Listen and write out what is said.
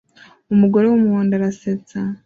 Umugore wumuhondo arasetsa